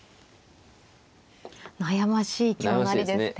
悩ましい香成りですね。